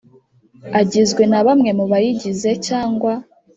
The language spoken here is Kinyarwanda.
Agizwe Na Bamwe Mubayigize Cyangwa